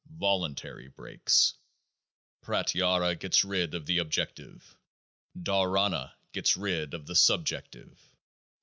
j ' Breaks ' Pratyhara gets rid of the Objective. Dharana gets rid of the Subjective.